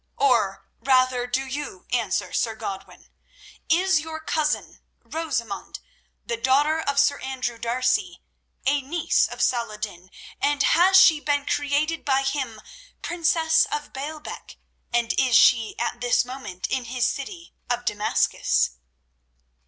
"Or, rather, do you answer, Sir Godwin. Is your cousin, Rosamund, the daughter of Sir Andrew D'Arcy, a niece of Saladin, and has she been created by him princess of Baalbec, and is she at this moment in his city of Damascus?"